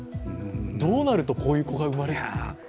どうなるとこういう子が生まれる？